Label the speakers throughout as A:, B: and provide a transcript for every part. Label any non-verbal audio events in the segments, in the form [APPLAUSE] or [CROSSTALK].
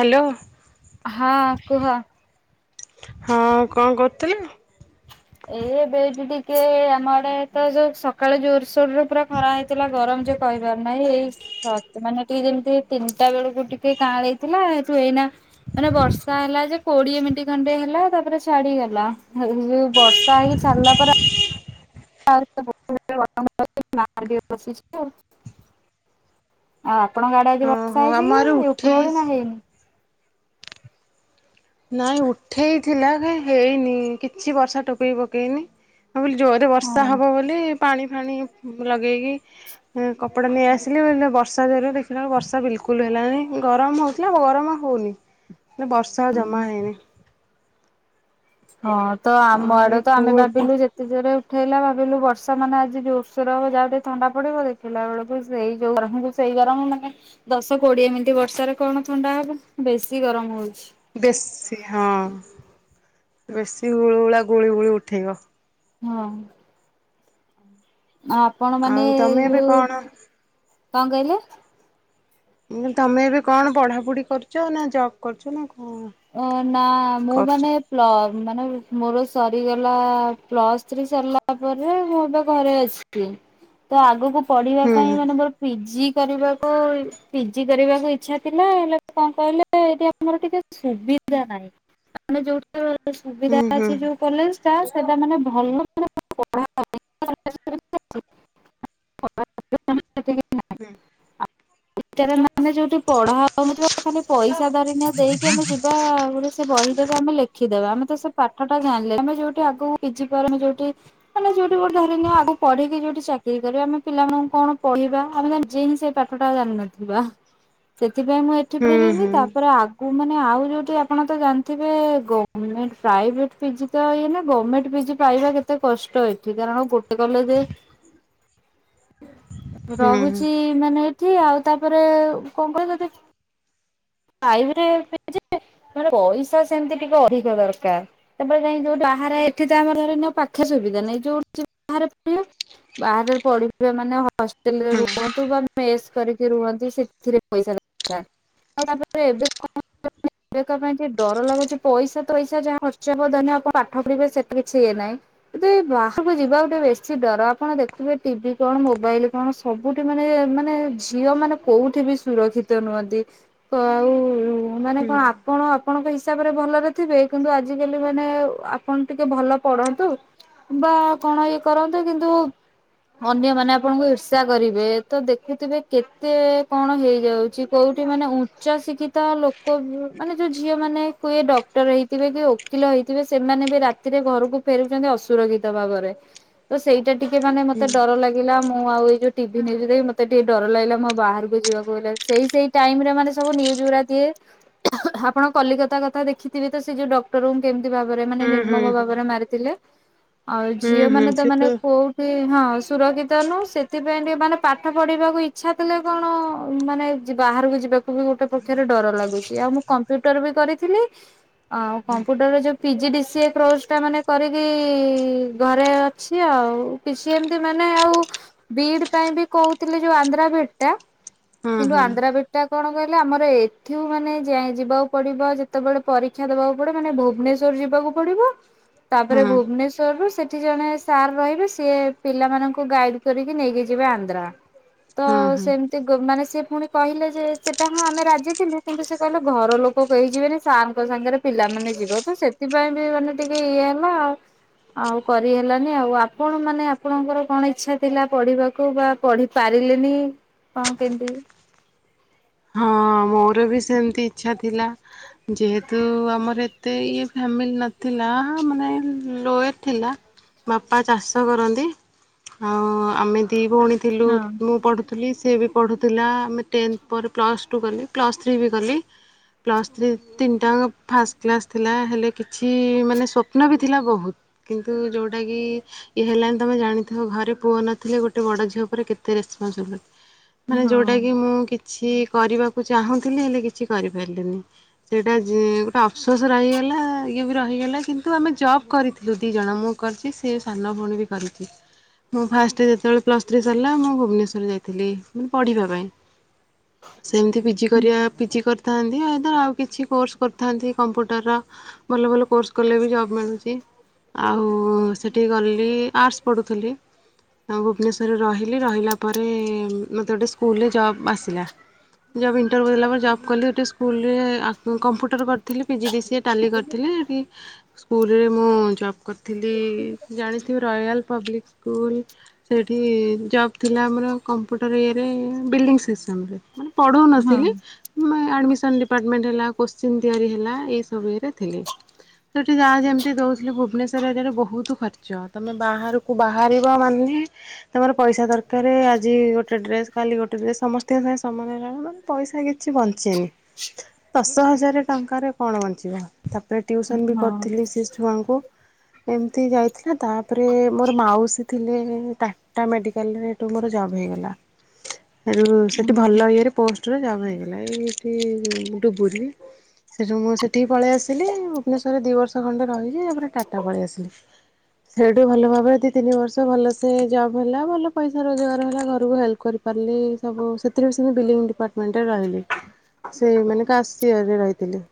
A: Hello.
B: ହଁ କୁହ।
A: ହଁ କଣ କରୁଥିଲ?
B: ଏ ଏବେ ଏଠି ଟିକେ ଆମ ଆଡେ ତ ଯୋଉ ସକାଳୁ ଜୋରସୋରରେ ପୁରା ଖରା ହେଇ ଥିଲା ଗରମ ଯେ କହିହିବାର ନାହିଁ ଏଇ ସତ ମାନେ ଟିକେ ଯେମିତି ତିନିଟା ବେଳକୁ ଟିକେ କାଁଳେଇ ଥିଲା ହେଟୁ ଏଇନା ମାନେ ବର୍ଷା ହେଲା ଯେ କୋଡିଏ ମିନିଟ୍ ଖଣ୍ଡେ ହେଲା ତାପରେ ଛାଡିଗଲା, ଯୋଉ ବସ ର୍ଷା ହେଇକି ଛାଡ଼ିଲା ପରେ [UNINTELLIGIBLE] ଆଉ ଆପଣଙ୍କ ଆଡେ ଆଜି
A: ଓହୋ
B: ବର୍ଷା
A: ଆମ ଆଡେ
B: ହେଇଚିକି
A: ଉଠେଇ
B: ଉପରଓଳି ନା ହେଇନି।
A: ନାଇଁ ଉଠେଇଥିଲା କାଇଁ ହେଇନି କିଛି ବର୍ଷା ଟୋପେବି ପକେଇନି। ଭାବିଲି ଜୋରରେ ବର୍ଷା
B: ହଁ।
A: ହବ ବୋଲି ପାଣି ଫାଣି ଲଗେଇକି କପଡ଼ା ନେଇଆସିଲି ବଲେ ବର୍ଷା ଦେର ଦେଖିଲା ବର୍ଷା ବିଲକୁଲ ହେଲାନି ଗରମ ହଉ ଥିଲା ଗରମ ହଉନି ମାନେ ବର୍ଷା ଆଉ ଜମା ହେଇନି।
B: ହଁ ତ ଆମ
A: ଆଉ
B: ଆଡେ
A: ଏଇ
B: ତ ଆମେ
A: ପୁଅକୁ
B: ଭାବିଲୁ ଯେ ଏତେ ଜୋରେ ଉଠେଇଲା ଭାବିଲୁ ବର୍ଷା ମାନେ ଆଜି ଜୋରସୋର ହବ ଯାହା ହଉ ଟିକେ ଥଣ୍ଡା ପଡିବ ଦେଖିଲା ବେଳକୁ ସେଇ ଯୋଉ ଗରମକୁ ସେ ସେଇ ଗରମ ମାନେ ଦଶ କୋଡିଏ ମିନିଟ ବର୍ଷାରେ କଣ ଥଣ୍ଡା ହବ ବେଶୀ ଗରମ ହଉଚି।
A: ବେଶୀ ହଁ ବେଶୀ ଗୁଳୁ ଗୁଳା ଗୁଳି ଗୁଳି ଉଠେଇବ।
B: ହଁ। ଆଉ ଆପଣ ମାନେ
A: ଆଉ
B: ଏ
A: ତମେ ଏବେ
B: ଯୋଉ,
A: କଣ
B: କଣ କହିଲେ?
A: ମୁଁ କହିଲି ତମେ ଏବେ କଣ ପଢ଼ାପଢ଼ି କରୁଚ ନା ଜବ କରୁଚ ନା କଣ?
B: ଓ ନା ମୁଁ
A: କରୁଛ
B: ମାନେ ପ୍ଲ ମାନେ ମୋର ସରିଗଲା ପ୍ଲସ୍ ଥ୍ରୀ ସରିଲା ପରେ ମୁଁ ଏବେ ଘରେ ଅଛି। ତ ଆଗକୁ ପଢିବା
A: ହୁଁ
B: ପାଇଁ ମାନେ ମୋର ପିଜି କରିବାକୁ ପିଜି କରିବାକୁ ଇଛା ଥିଲା ହେଲେ କଣ କହିଲେ ଏଠି ଆମର ଟିକେ ସୁବିଧା ନାହିଁ ମାନେ ଯୋଉଠି
A: ହୁଁ
B: ସୁବିଧା
A: ହୁଁ
B: ଅଛି ଯୋଉ କଲେଜଟା ସେଟା ମାନେ ଭଲ ମାନେ [UNINTELLIGIBLE] [UNINTELLIGIBLE]
A: ହୁଁ।
B: ମାନେ ଯୋଉଠି ପଢା ହଉନଥିବ ଖାଲି ପଇସା ଧରିନିଅ ଦେଇ କି ଆମେ ଯିବା ରୁ ସେ କହିଦେବେ ଆମେ ଲେଖିଦେବା ଆମେ ତ ସେ ପାଠଟା ଜାଣିଲେ ଆମେ ଯୋଉଠି ଆଗକୁ ପିଜି ପରେ ଆମେ ଯୋଉଠି ମାନେ ଯୋଉଠି ଗୋଟେ ଧରିନିଅ ଆଗକୁ ପଢିକି ଯୋଉଠି ଚାକିରି କରିବା ଆମେ ପିଲାଙ୍କୁ କଣ କହିବା ଆମେ ନିଜେ ହିଁ ସେ ପାଠ ଟା ଜାଣିନଥିବା, ସେଥିପାଇଁ ମୁଁ ଏଠି
A: ହୁଁ
B: ପଢିଲିନି
A: ହୁଁ
B: ତାପରେ ଆଗ କୁମାନେ ଆଉ ଯୋଉଠି ଆପଣ ତ ଜାଣିଥିବେ ଗମେଣ୍ଟ ପ୍ରାଇଭେଟ ପିଜି ତ ଇଏ ନା ଗମେଣ୍ଟ ପିଜି ପାଇବା କେତେ କଷ୍ଟ ଏଠି କାରଣ ଗୋଟେ କଲେଜ
A: [INAUDIBLE]
B: ରହୁଛି ମାନେ ଏଠି ଆଉ ତାପରେ କଣ କହିଲ ଦେଖି ପ୍ରାଇଭେଟ୍ ରେ ପିଜି ମାନେ ପଇସା ସେମିତି ଟିକେ ଅଧିକ ଦରକାର। ତାପରେ ଯାଇ ଯୋଉଠି ବାହରେ ଏଠି ତ ଆମର ଧରିନିଅ ପାଖରେ ସୁବିଧା ନାହିଁ ଯୋଉଠି ଯିବ ବାହାରେ ପଢ଼ିଲ। ବାହାରେ ପଢିିବେ ମାନେ ହଷ୍ଟେଲରେ
A: ହୁଁ ହୁଁ
B: ରୁହନ୍ତୁ ବା ମେସ୍ କରିକି ରୁହନ୍ତି ସେଥିରେ ପଇସା ଦରକାର ତାପରେ ଏବେ [INAUDIBLE] ପାଇଁ ଡର ଲାଗୁଚି ପଇସା ତଇସା ଯାହା ଖର୍ଚ୍ଚ ହବ ଧରି ନିଅ ଆପଣ ପାଠ ପଢିବେ ସେଟା କିଛି ଇଏ ନାହିଁ। ମତେଏ ବାହାରକୁ ଯିବାକୁ ଟିକେ ବେଶୀ ଡର ଆପଣ ଦେଖିବେ ଟିଭି କଣ ମୋବାଇଲ୍ କଣ ସବୁଠି ମାନେ ମାନେ ଝିଅ ମାନେ କୋଉଠିବି ସୁରକ୍ଷିତ ନୁହନ୍ତି। କଉ ମାନେ
A: ହୁଁ
B: କଣ ଆ ଆପଣ ଆପଣଙ୍କ ହିସାବରେ ଭଲରେ ଥିବେ କିନ୍ତୁ ଆଜିକାଲି ମାନେ ଆପଣ ଟିକେ ଭଲ ପଢନ୍ତୁ ବା କଣ ଇଏ କରନ୍ତୁ କିନ୍ତୁ ଅନ୍ୟମାନେ ଆପଣଙ୍କୁ ଇର୍ଷା କରିବେ ତଦେଖୁଥିବେ କେତେ କଣ ହେଇଯାଉଚି କୋଉଠି ମାନେ ଉଚ୍ଚ ଶିକ୍ଷିତ ଲୋକ ମାନେ ଯୋଉ ଝିଅ ମାନେ କିଏ ଡକ୍ଟର ହେଇଥିବେକି ଓ ଓକିଲ ହେଇଥିବେ ସେମାନେବି ରାତିରେ ଘରକୁ ଫେରୁଚନ୍ତି ଅସୁରକ୍ଷିତ ଭାବରେ।
A: [INAUDIBLE]
B: ତ ସେଇଟା ଟିକେ ମାନେ ମତେ ଡ଼ର ଲା ଲାଗିଲା ମୁଁ ଆଉ ଏଇ ଯୋଉ ଟିଭି ନ୍ୟୁଜ୍ ମତେ ଟିକେ ଡର ଲାଗିଲା ମୁଆଉ ବାହାରକୁ ଯିବାକୁ ହେ ସେଇ ସେଇ ଟାଇମିରେ ମାନେ ସବୁ ନ୍ୟୁଜ୍ ଉରି ଦିଏ ଆପଣ କଲିକତା କଥାତ ଦେଖିଥିବେ ସିଏ ଯଉ ଡକ୍ଟ କ୍ଟର୍ କେମିତି ଭାବରେ ମାନେ
A: ହୁଁ
B: ନିର୍ମମ
A: ହୁଁ
B: ଭାବରେ ମାରିଥିଲେ ଆଉ
A: ହୁଁ
B: ଝିଅ
A: ହୁଁ
B: ମାନେତ
A: ସେ ତ
B: ମାନେ କୋଉ ସେ ହଁ ସୁରକ୍ଷିତ ନୁହଁ ସେଥିପାଇଁ ଟିକେ ମାନେ ପାଠ ପଢିବାକୁ ଇଚ୍ଛା ଥିଲେ କଣ ମାନେ ବାହାରକୁ ଯିବାକୁବି ଗୋଟେ ପକ୍ଷରେ ଡର ଲାଗୁଚି ଆଉ ମୁଁ କମ୍ପ୍ୟୁଟରବି କରିଥିଲି ଆଉ କମ୍ପୁଟରରେ ଯଉ ପିଜି ଡି ସିଏ କୋର୍ସଟା ମାନେ କରିକି ଘରେ ଅଛି ଆଉ କିଛି ଏମିତି ମାନେ ଆଉ ବିଡ଼ି ପାଇଁବି କହୁଥିଲେ ଯୋଉ ଆନ୍ଧ୍ରା ବିଡ଼ିଟା
A: ହଁ
B: କିନ୍ତୁ
A: ହଁ
B: ଆନ୍ଧ୍ରା ବିଡ୍ ଟା କଣ କହିଲେ ଆମର ଏଠୁ ମାନେ ଯାଇ ଯିବାକୁ ପଡ଼ିବ ଯେତେବେଳେ ପରୀକ୍ଷା ଦେବାକୁ ପଡ଼ିବ ମାନେ ଭୁବନେଶ୍ୱର ଯିବାକୁ ପଡ଼ିବ। ତାପରେ
A: ହଁ
B: ଭୁବନେଶ୍ଵରରୁ ସେଠି ଜଣେ ସାର୍ ରହିବେ ସିଏ ପିଲାମାନଙ୍କୁ ଗାଇଡ୍ କରିକି ନେଇକି ଯିବେ ଆନ୍ଧ୍ରା
A: ହଁ ହଁ
B: ତସେମିତି ମାନେ ସିଏପୁଣି କହିଲେ ଯେ ସେଟା ହଁ ଆମେ ରାଜି ଥିଲୁ କିନ୍ତୁ ସେକହିଲେ ଘର ଲୋକ କହିଯିବେନି ସାରଙ୍କ ସାଙ୍ଗରେ ପିଲାମାନେ ଯିବ ତସେ ସେଥିପାଇଁବି ମାନେ ଟିକେ ଇଏ ହେଲା ଆଉ ଆଉ କରିହେଲାନି ଆଉ ଆପଣ ମାନେ ଆପଣଙ୍କର କଣ ଇଚ୍ଛା ଥିଲା ପଢିବାକୁ ବା ପଢି ପାରିଲେନି କଣ କେମିତି?
A: ହଁ। ମୋରବି ସେମିତି ଇଚ୍ଛା ଥିଲା ଯେହେତୁ ଆମର ଏତେ ଇଏ ଫ୍ୟାମିଲି ନଥିଲା ମାନେ ଲୋଏର ଥିଲା ବାପା ଚାଷ କରନ୍ତି ଆଉ ଆମେ ଦିଭଉଣୀ ଥିଲୁ
B: ହଁ
A: ମୁଁ ପଢ଼ୁଥିଲି ସେବି ପଢ଼ୁଥିଲା ଆମେ ଟେନ୍ଥ ପରେ ପ୍ଲସ୍ ଟୁ କଲେ ପ୍ଲସ୍ ଥ୍ରୀବି କଲି। ପ୍ଲସ୍ ଥ୍ରୀ ତିନିଟାଙ୍କ ଫାଷ୍ଟ କ୍ଲାସ୍ ଥିଲା ହେଲେ କିଛି ମାନେ ସ୍ୱପ୍ନବି ଥିଲା ବହୁତ୍ କିନ୍ତୁ ଯୋଉଟା କି ଇଏ ହେଲାନି ତମେ ଜାଣିଥିବ ଘରେ ପୁଅ ନଥିଲେ ଗୋଟେ ବଡ଼ ଝିଅ ଉପରେ କେତେ ରେସ୍ପନ୍ସିବିଲିଟି। ମାନେ
B: ହଁ
A: ଯୋଉଟାକି ମୁଁ କିଛି କରିବାକୁ ଚାହୁଁଥିଲି ହେଲେ କିଛି କରିପାରିଲିନି। ସେଇଟା ଗୋଟେ ଅଫସୋସ ରହିଗଲା ଇଏବି ରହିଗଲା କିନ୍ତୁ ଆମେ ଜବ୍ କରିଥିଲୁ ଦି ଜଣ ମୁଁ କରିଚି ସେସାନ ଭଉଣୀବି କରିଚି। ମୁଁ ଫାଷ୍ଟରେ ଯେତେବେଳେ ପ୍ଲସ୍ ଥ୍ରୀ ସରିଲା ମୁଁ ଭୁବନେଶ୍ୱରରେ ଯାଇଥିଲି ମାନେ ପଢ଼ିବା ପାଇଁ। ସେମିତି ପିଜି କରିବା ପିଜି କରିଥାନ୍ତି ଆଇଦର ଆଉ କିଛି କୋର୍ସ କରିଥାନ୍ତି କମ୍ପ୍ୟୁଟରର ଭଲ ଭଲ କୋର୍ସ କଲେବି ଜବ୍ ମିଳୁଚି ଆଉ ସେଠିକି ଗଲି ଆର୍ଟସ୍ ପଢ଼ୁଥିଲି ଆଉ ଭୁବନେଶ୍ୱରରେ ରହିଲି ରହିଲା ପରେ ଏ ମୋତେ ଗୋଟେ ସ୍କୁଲ୍ ରେ ଜବ୍ ଆସିଲା ଜବ୍ ଇଣ୍ଟରଭ୍ୟୁ ଦେଲା ପରେ ଜବ୍ କଲି ଗଟେ ସ୍କୁଲରେ ଆ କମ୍ପୁଟର କରିଥିଲି ପିଜିଡିସିଏ ଟାଲି କରି [UNINTELLIGIBLE] ପୁରୀ ରେ ମୁଁ ଜବ୍ କରିଥିଲି। ଜାଣିଥିବେ ରୟାଲ ପବ୍ଲିକ୍ ସ୍କୁଲ୍? ସେଇଠି ଜବ୍ ଥିଲା ଆମର କମ୍ପ୍ୟୁଟର ଇଏରେ, ବିଲିଡିଙ୍ଗ ସିସନରେ। ମାନେ ପଢଉ
B: ହଁ।
A: ନଥିଲି ମାନେ ଆଡ଼ମିସନ ଡିପାର୍ଟମେଣ୍ଟ ହେଲା, କୋଶ୍ଚିନ୍ ତିଆରି ହେଲା, ଏଇସବୁ ଇଏରେ ଥିଲି। ସେଠି ଯାହା ଯେମିତି ଦଉଥିଲେ। ଭୁବନେଶ୍ଵର ଏରିଆରେ ବହୁତ ଖର୍ଚ୍ଚ। ତମେ ବାହାରୁ ବାହାରକୁ ବାହାରିବ ମାନେ ତମର ପଇସା ଦରକାରେ। ଆଜି ଗୋଟେ ଡ୍ରେସ୍, କାଲି ଗୋଟେ ଡ୍ରେସ୍, ସମସ୍ତଙ୍କ ସାଙ୍ଗେ ସମାନେ- ମୋର ବି ପଇସା କିଛି ବଞ୍ଚେନି। ଦଶ ହଜାର ଟଙ୍କାରେ କଣ ବଞ୍ଚିବ। ତାପରେ ଟ୍ୟୁସନ୍ ବି କରୁଥିଲି
B: ହଁ
A: ସେ ଛୁଆଙ୍କୁ। ଏମିତି ଯାଇଥିଲା ତାପରେ ମୋର ମାଉସୀ ଥିଲେ ଟାଟା ମେଡିକାଲରେ। ହେଠୁ ମୋର ଜବ୍ ହେଇଗଲା। ସେଠୁ ସେଠି ଭଲ ଇଏରେ ପୋଷ୍ଟରେ ଜବ୍ ହେଇଗଲା। ଏଇଠି ଡୁବୁରି ସେଠୁ ମୁଁ ସେଇଠି ପଳାଇ ଆସିଲି। ଭୁବନେଶ୍ୱରରେ ଦୁଇ ବର୍ଷ ଖଣ୍ଡେ ରହିଲି। ତାପରେ ଟାଟା ପଳେଇ ଆସିଲି। ସେଇଠୁ ଭଲ ଭାବରେ ଦି ତିନି ବର୍ଷ ଭଲସେ ଜବ୍ ହେଲା, ଭଲ ପଇସା ରୋଜଗାର ହେଲା। ଘରକୁ ହେଲ୍ପ କରି ପାରଲି ସବୁ ସେଥିରେ [UNINTELLIGIBLE] ବିଲିଂ ଡିପାର୍ଟମେଣ୍ଟରେ ରହିଲି। ଆଉ ସେଇ ମାନଙ୍କ ଆଶୀର୍ବାଦରେ ରହିଥିଲି।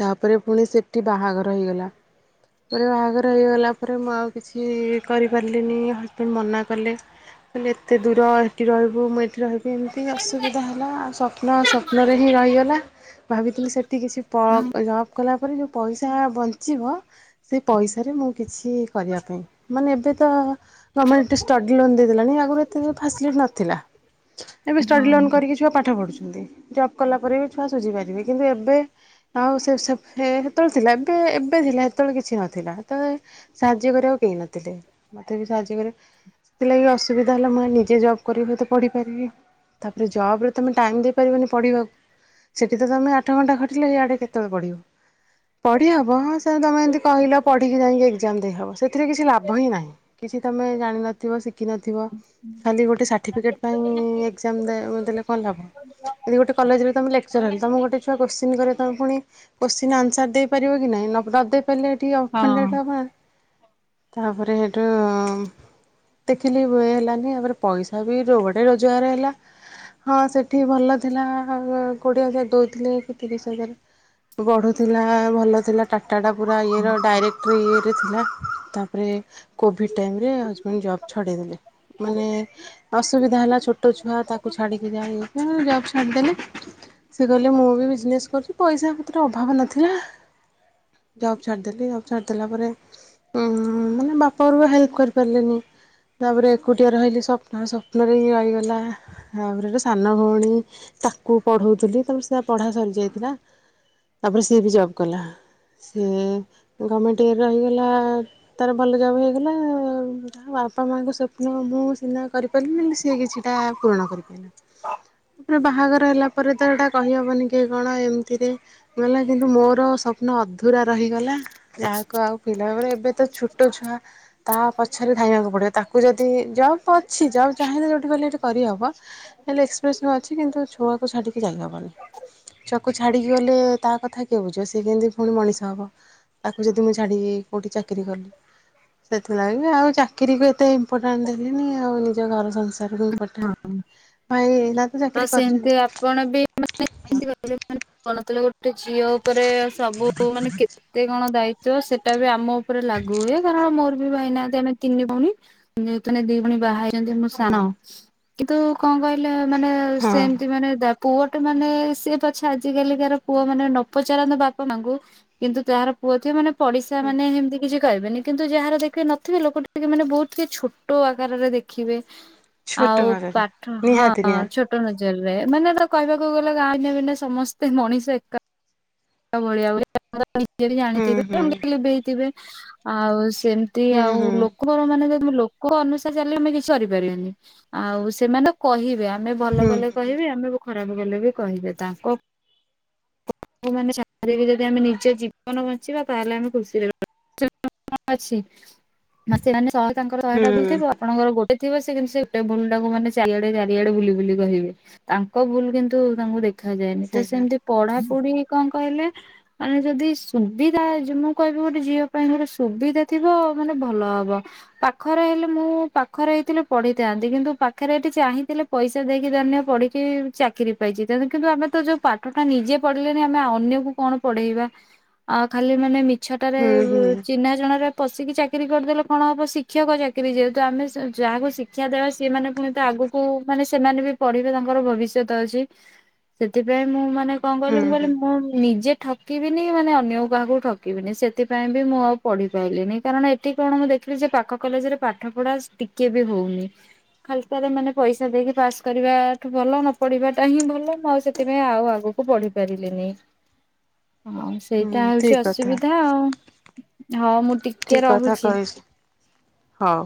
A: ତା ପରେ ପୁଣି ସେଠି ବାହାଘର ହେଇଗଲା। ପରେ ବାହାଘର ହେଇଗଲା ପରେ ମୁଁ ଆଉ କିଛି କରିପାରିଲିନି। ହଜବେଣ୍ଡ ମନା କଲେ। କହିଲେ ଏତେ ଦୂର, ସେଠି ରହିବୁ ମୁଁ ଏଇଠି ରହିବି ଏମିତି ଆଉ। ଅସୁବିଧା ହେଲା। ଆଉ ସ୍ୱପ୍ନ ସ୍ୱପ୍ନରେ ହିଁ ରହିଗଲା। ଭାବିଥିଲି ସେଠି କିଛି ପ ଜବ୍ କଲା ପରେ, ଯେଉଁ ପଇସା ବଞ୍ଚିବ ସେ ପଇସାରେ ମୁଁ କିଛି କରିବା ପାଇଁ। ମାନେ ଏବେ ତ ଗରମେଣ୍ଟ ଷ୍ଟଡି ଲୋନ ଦେଇଦେଲାଣି। ଆଗରୁ ଏତେ ସବୁ ଫାସିଲିଟି ନଥିଲା। ଏବେ
B: ହଁ ହଁ
A: ଷ୍ଟଡ଼ି ଲୋନ୍ କରିକି ଛୁଆ ପାଠ ପଢୁଛନ୍ତି। ଜବ୍ କଲା ପରେ ବି ଛୁଆ ସୁୁଝିପାରିବେ। କିନ୍ତୁ ଏବେ ଆଉ ସେ ସେ ହେ ହେତେବେଳେ ଥିଲା, ଏବେ ଏବେ ଥିଲା ହେତେବେଳେ କିଛି ନଥିଲା। ସେତେବେଳେ ସାହାଯ୍ୟ କରିବାକୁ କେହି ନଥିଲେ। ମତେ ବି ସାହାଯ୍ୟ କରିବା ସେଥିଲାଗି ଅସୁବିଧା ହେଲା। ମୁଁ ଭାବିଲି ନିଜେ ଜବ୍ କରିିବି ତ ପଢିପାରିବି। ତା ପରେ ଜବ୍ ରେ ତୁମେ ଟାଇମ୍ ଦେଇପାରିବନି ପଢ଼ିବାକୁ। ସେଠି ତମେ ଆଠ ଘଣ୍ଟା ଖଟିଲ, ଇଆଡେ କେତେବେଳେ ପଢିବ। ପଢ଼ି ହେବ, ହଁ, ସେ ତୁମେ ଏମିତି କହିଲ ପଢ଼ିକି ଯାଇକି ଏକ୍ଜାମ ଦେଇହେବ, ସେଥିରେ କିଛି ଲାଭ ହିଁ ନାହିଁ। କିଛି ତମେ ଜାଣିନଥିବ, ଶିଖିନଥିବ, ଖାଲି ଗୋଟେ ସାର୍ଟିଫିକେଟ୍ ପା-
B: [UNINTELLIGIBLE]
A: ଏକ୍ଜାମ ଦେ ଦେଲେ କନ୍ ଲାଭ? ଯଦି ଗୋଟେ କଲେଜରେ ତମେ ଲେକ୍ଚର ହେଲ, ତମକୁ ଗୋଟେ ଛୁଆ କ୍ୱେଶ୍ଚିନ୍ କରିବ ତମେ ପୁଣି କ୍ୱେଶ୍ଚିନ୍ ର ଆନ୍ସର ଦେଇ ପାରିବ କି ନାଇଁ? ନ ଦେଇ ପାରିଲେ ଏଠି
B: ହଁ
A: ଅଫନଡେଡ୍ ହବ ନା ତାପରେ ହେଇଠୁ ଦେଖିଲି ଏ ହେଲାନି ଏବେର ପଇସା ବି ଯୋଉ ପଟେ ରୋଜଗାର ହେଲା। ହଁ, ସେଠି ଭଲ ଥିଲା। କୋଡିଏ ହଜାର ଦଉଥିଲେ କି ତିରିଶ ହଜାର। ବଢୁଥିଲା ଭଲ ଥିଲା। ଟାଟା ଟା ପୁରା ଇଏର ଡାଇରେକ୍ଟ ଇଏରେ ଥିଲା। ତାପରେ କୋଭିଡ୍ ଟାଇମରେ ହଜବେଣ୍ଡ ଜବ୍ ଛଡେଇ ଦେଲେ। ମାନେ ଅସୁବିଧା ହେଲା, ଛୋଟ ଛୁଆ, ତାକୁ ଛାଡିକି ଯାଇ, ଜବ ଛାଡିଦେଲି ସେ କହିଲେ ମୁଁ ବି ବିଜନେସ୍ କରୁଛି, ପଇସା ପତ୍ର ଅଭାବ ନଥିଲା। ଜବ୍ ଛାଡ଼ିଦେଲି ଆଉ, ଛାଡ଼ଦେଲା ପରେ ଉଁ, ମାନେ ବାପ ଘରକୁ ହେଲ୍ପ କରିପାରିଲିନି। ତାପରେ ଏକୁଟିଆ ରହିଲି ସ୍ୱପ୍ନ, ସ୍ୱପ୍ନରେ ହିଁ ରହିଗଲା। ତାପରେ ସାନ ଭଉଣୀ ତାକୁ ପଢ଼ଉଥିଲି ତାପରେ ସେ ପଢ଼ା ସରିଯାଇଥିଲା। ତାପରେ ସିଏ ବି ଜବ୍ କଲା ସିଏ ଗଭର୍ଣମେଣ୍ଟ ଏ ରହିଗଲା। ତାର ଭଲ ଜବ୍ ହେଇଗଲା ତା ବାପା ମାଆଙ୍କ ସ୍ୱପ୍ନ ମୁଁ ସିନା କରିପାରିଲି ନି ସିଏ କିଛିଟା। ପୂରଣ କରିପାଇଲା ପ୍ର ବାହାଘର ହେଲାପରେ ତ ଏଟା କହିହେବନି କି କ'ଣ ଏମ୍ ଥିରେ। ଗଲା କିନ୍ତୁ ମୋର ସ୍ୱପ୍ନ ଅଧୁରା ରହିଗଲା ଯାହାକୁ ଆଉ ପିଲା ବେଳେ ଏବେ। ତୋ ଛୋଟ ଛୁଆ। ତା ପଛରେ ଧାଇଁବାକୁ ପଡିବ ତାକୁ ଯଦି ଜବ୍ ଅଛି ଜବ୍ ଚାହିଁଲେ ଯୋଉଠି ପାଇଲେ ହେଠି। ଏ ହବ ହେଲେ ଏକ୍ସପ୍ରେସନ ଅଛି କିନ୍ତୁ ଛୁଆକୁ ଛାଡିକି ଯାଇହବନି। ଛୁଆ କୁ ଛାଡିକି ଗଲେ ତା କଥା କିଏ ବୁଝିବ ସେ କେମିତି ପୁଣି ମଣିଷ ହବ। ତାକୁ ଯଦି ମୁଁ ଛାଡିିକି କୋଉଠି ଚାକିରି କଲି। ସେଥିଲାଗି ଆଉ ଚାକିରୀକୁ ଏତେ ଇମ୍ପୋର୍ଟାଣ୍ଟ ଦେଲିନି ଆଉ ନିଜ ଘର ସଂସାରକୁ। ଇମ୍ପୋର୍ଟାଣ୍ଟ ଭାଇ ନା ତ ଚାକିରି
B: ସେମିତି
A: କରିଛନ୍ତି।
B: ଆପଣ ବି ଏମିତି କହିଲେ ମାନେ ପଣତ ରେ ଗୋଟେ ଝିଅ ଉପରେ ସବୁ ମାନେ କେ। ଏତେ କ'ଣ ଦାୟିତ୍ବ ସେଟା ବି ଆମ ଉପରେ ଲାଗୁ ହୁଏ କାରଣ ମୋର ବି ଭାଇନାହାନ୍ତି ଆମେ। ତିନି ଭଉଣୀ ନେ ଦି ଭଉଣୀ ବାହା ହେଇଛନ୍ତି ମୁଁ ସାନ
A: ହଁ
B: କିନ୍ତୁ। କ'ଣ କହିଲେ ମାନେ
A: ହଁ
B: ସେମିତି ମାନେ ପୁଅ ଟେ ମାନେ ସିଏ ପଛେ ଆଜିକାଲିକାର ପୁଅ ମାନେ ନ ପଚାରନ୍ତି ବାପା, ମାଙ୍କୁ। କିନ୍ତୁ ତାହାର ପୁଅ ଥିବ ମାନେ ପଡିଶା
A: ହଁ
B: ମାନେ ହେମିତି। କିଛି କହିବେନି କିନ୍ତୁ ଯାହାର ଦେଖିବେ ନଥିବେ ଲୋକ ଟିକେ ମାନେ ବହୁତ କେ ଛୋଟ ଆକାରରେ ଦେଖିବେ।
A: ଛୋଟ
B: ଆଉ
A: ମାତ୍ରାରେ
B: ପାଠ ହଁ
A: ନିହାତି
B: ଛୋ।
A: ନିହାତି
B: କଟ ନଜର ରେ ମାନେ ତ କହିବାକୁ ଗଲେ ଗାଁ ଭିନ୍ନ, ଭିନ୍ନ ସମସ୍ତେ ମଣିଷ ଏକା। ତ ଭଳିଆ [INAUDIBLE]
A: ହୁଁ
B: ଆଣିଥିବେ
A: ହୁଁ
B: ମୁଁ କହିଲି ଆଉ ସେମେ। ତି
A: ହୁଁ
B: ଆଉ
A: ହୁଁ
B: ଲୋକ ର ମାନେ ଲୋକ ଅନୁସାରେ ଚାଲିଲେ ଆମେ କିଛି କରିପାରିବନି ଆଉ ସେମାନେ। କହିବେ ଆମେ ଭଲ
A: ହୁଁ
B: କଲେ କହିବେ ଆମେ ଏବେ ଖରାପ କଲେ ବି କହିବେ ତାଙ୍କ। ଲୋକ ମାନେ ଚାରି ବେ ଯଦି ଆମେ ନିଜେ ଜୀବନ ବଞ୍ଚିବା ତାହେଲେ ଆମେ ଖୁସିରେ [UNINTELLIGIBLE] କ'ଣ ଅଛି ମାସି ମାନେ ତାଙ୍କ ଶହେଟା
A: ହୁଁ
B: ବୁଲୁଥିବ। ଆପଣଙ୍କର ଗୋଟ ଥିବ ସେ କିନ୍ତୁ ସେ ଟେବୁଲ ଟାକୁ ମାନେ ଚାରିଆଡ଼େ, ଚାରିଆଡେ ବୁଲି ବୁଲି କହିବେ। ତାଙ୍କ ଭୁଲ କିନ୍ତୁ ତାଙ୍କୁ ଦେଖା ଯାଏନି ତ
A: ସେଇଟା
B: ସେମିତି ପଢାପଢି କ'ଣ କହିଲେ। ମାନେ ଯଦି ସୁବିଧା ହେଇଚି ମୁଁ କହିବି ଗୋଟେ ଝିଅ ପାଇଁ ଗୋଟେ ସୁବିଧା ଥିବ ମାନେ ଭଲ ହବ। ପାଖରେ ହେଲେ ମୁଁ ପାଖରେ ହେଇଥିଲି ପଢେଈଥାନ୍ତି କିନ୍ତୁ ପାଖରେ ଏଠି ଚାହିଁଥିଲେ। ପଇସା ଦେଇକି ଧରିନିଅ ପଢିକି ଚାକିରି ପାଇଛି ତେଣୁ କିନ୍ତୁ ଆମେ ତ ଯୋଉ ପାଠ ଟା ନିଜେ ପଢିଲେ। ନାଇଁ ଆମେ ଅନ୍ୟକୁ କଣ ପଢେଇବା ଆ ଖାଲି ମାନେ ମିଛଟାରେ
A: ହୁଁ ହୁଁ
B: ଚିହ୍ନା ଜଣାରେ। ପଶିକି ଚାକିରି କରିଦେଲେ କ'ଣ ହବ ଶିକ୍ଷକ ଚାକିରି ଯେହେତୁ ଆମେ ସେ ଯାହାକୁ ଶିକ୍ଷା ଦେବା ସେମାନେ ପୁଣି ତ ଆଗୁକୁ। କୁ ମାନେ ସେମାନେ ବି ପଢିବେ ତାଙ୍କର ଭବିଷ୍ୟତ ଅଛି ସେଥିପାଇଁ ମୁଁ ମାନେ।
A: ହୁଁ
B: ତାକୁ କହିଲି
A: ହୁଁ
B: ମୁଁ ନିଜେ ଠ। ଠକିବିନି ମାନେ ଅନ୍ୟ କାହାକୁ ଠକିବିନି ସେଥିପାଇଁ ବି ମୁଁ ଆଉ ପଢିପାଇଲିନି କାରଣ ଏଠି କ'ଣ ମୁଁ ଦେଖିଲି ଯେ ପାଖ କଲେଜରେ ପାଠ ପଢା ଟିକେ ବି ହଉନି। ଖାଲି ଟାରେ ମାନେ ପଇସା ଦେଇକି ପାସ୍ କରିବାଠୁ ଭଲ ନ ପଢିବା ଟା ହିଁ ଭଲ ମୁଁ ଆଉ ସେ। ସେଥିପାଇଁ ଆଉ ଆଗୁକୁ ବଢି ପାରିଲିନି ହଁ ସେ।
A: ହୁଁ
B: ସେଇଟା ହଉଛି
A: ଠିକ କଥା
B: ଅସୁବିଧା ଆଉ ହଁ ମୁଁ ଟିକେ ରହୁଛି।
A: ହଁ।